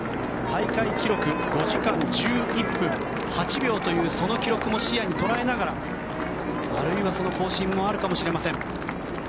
大会記録５時間１１分８秒というその記録も視野に捉えながらあるいは、その更新もあるかもしれません。